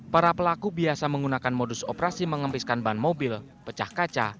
para pelaku biasa menggunakan modus operasi mengempiskan ban mobil pecah kaca